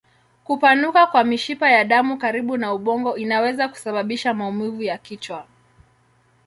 Kupanuka kwa mishipa ya damu karibu na ubongo inaweza kusababisha maumivu ya kichwa.